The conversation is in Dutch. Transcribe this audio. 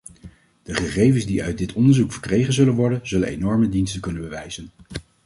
De gegevens die uit dit onderzoek verkregen zullen worden, zullen enorme diensten kunnen bewijzen.